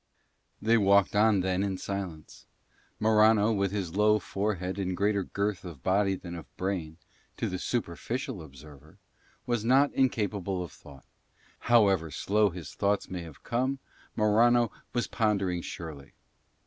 They walked on then in silence. Morano, with his low forehead and greater girth of body than of brain to the superficial observer, was not incapable of thought. However slow his thoughts may have come, Morano was pondering surely.